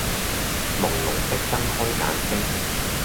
朦朧的睜開眼睛